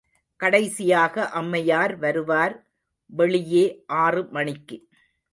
கடைசியாக அம்மையார் வருவார் வெளியே ஆறு மணிக்கு.